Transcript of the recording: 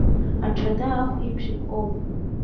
Аҽада ахә еиԥш иԥҟоуп!